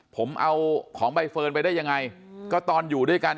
ผมเอาของใบเฟิร์นไปได้ยังไงก็ตอนอยู่ด้วยกัน